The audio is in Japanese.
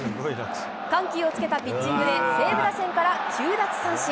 緩急をつけたピッチングで、西武打線から９奪三振。